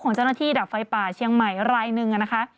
เจ้าหน้าที่ดับไฟป่าเชียงใหม่รายหนึ่งนะคะ